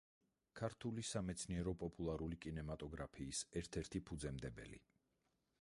ქართული სამეცნიერო-პოპულარული კინემატოგრაფიის ერთ-ერთი ფუძემდებელი.